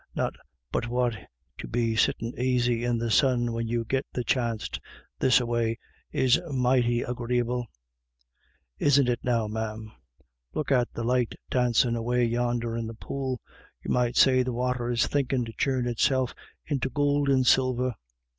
Not but what to be sittin' aisy in the sun when you git the chanst this a way, is mighty agreeable ; isn't it now, ma'am ? Look at the light dancin' away yonder on the pool ; you might say the water was thinkin' to churn itself into gould and silver."